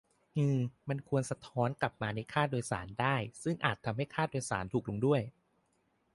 อือ มันควร "สะท้อน" กลับมาในค่าโดยสารได้ ซึ่งอาจทำให้ค่าโดยสารถูกลงด้วย